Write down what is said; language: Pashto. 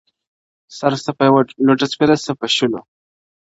o سر څه په يوه لوټه سپېره، څه په شلو.